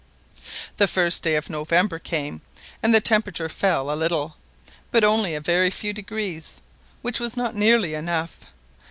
The first days of November came, and the temperature fell a little, but only a very few degrees, which was not nearly enough.